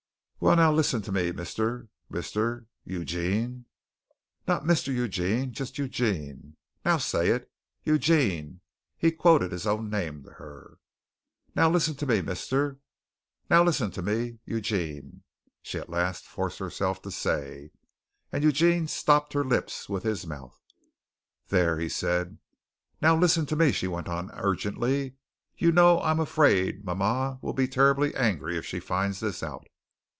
"Well, now, listen to me, Mr. Mr. Eugene." "Not Mr. Eugene, just Eugene. Now say it. Eugene," he quoted his own name to her. "Now listen to me, Mr. now, listen to me, Eugene," she at last forced herself to say, and Eugene stopped her lips with his mouth. "There," he said. "Now listen to me," she went on urgently, "you know I am afraid mama will be terribly angry if she finds this out."